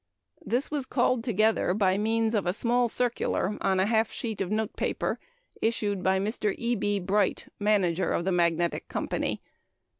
This was called together by means of a small circular on a half sheet of note paper, issued by Mr. E. B. Bright, manager of the "Magnetic" Company.